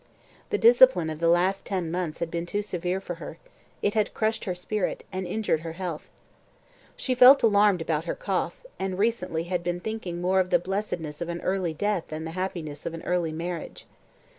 The discipline of the last ten months had been too severe for her; it had crushed her spirit, and injured her health. She felt alarmed about her cough, and recently had been thinking more of the blessedness of an early death than the happiness of an early marriage.